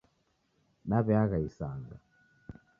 Daweagha isanga